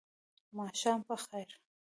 ماښام په خیر !